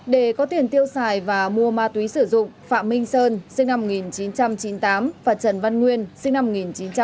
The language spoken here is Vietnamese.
để có tiền tiêu xài và mua ma túy sử dụng phạm minh sơn và trần văn nguyên